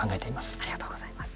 ありがとうございます。